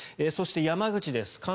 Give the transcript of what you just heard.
そして、山口です。